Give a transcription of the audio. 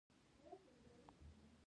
د ننګرهار په خوږیاڼیو کې کوم کانونه دي؟